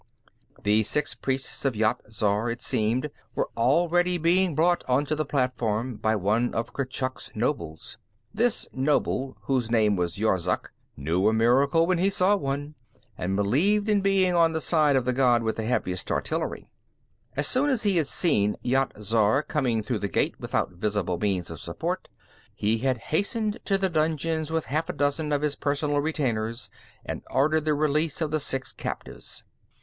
_" The six priests of Yat Zar, it seemed, were already being brought onto the platform by one of Kurchuk's nobles. This noble, whose name was Yorzuk, knew a miracle when he saw one, and believed in being on the side of the god with the heaviest artillery. As soon as he had seen Yat Zar coming through the gate without visible means of support, he had hastened to the dungeons with half a dozen of his personal retainers and ordered the release of the six captives.